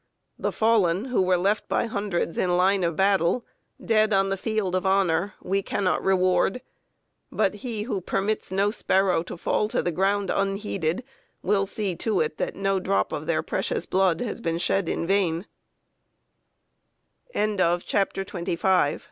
The fallen, who were left by hundreds in line of battle, "dead on the field of honor," we cannot reward; but He who permits no sparrow to fall to the ground unheeded, will see to it that no drop of their precious blood h